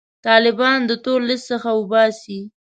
طالبان له تور لیست څخه وباسي.